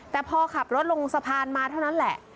แต่พอขับรถลงสะพานมาเท่านั้นแหละ